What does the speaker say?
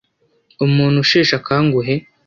umuntu usheshe akanguhe